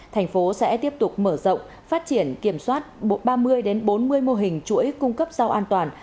thành phố sẽ tiếp tục mở rộng phát triển kiểm soát ba mươi bốn mươi mô hình chuỗi cung cấp rau an toàn